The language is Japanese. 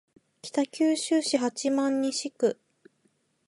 北九州市八幡西区